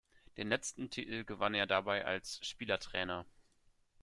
Den letzten Titel gewann er dabei als Spielertrainer.